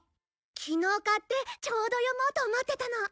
昨日買ってちょうど読もうと思ってたの。